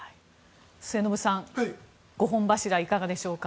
末延さん５本柱いかがでしょうか。